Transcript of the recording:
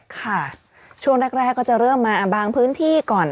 ค่ะช่วงแรกก็จะเริ่มมาบางพื้นที่ก่อน